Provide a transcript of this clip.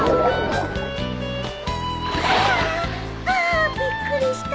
ああびっくりした。